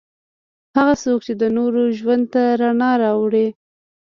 هغه څوک چې د نورو ژوند ته رڼا راوړي.